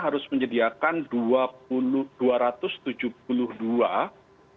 ya kalau saya tidak salah ingat gitu ya kalau saya tidak salah ingat gitu ya kalau saya tidak salah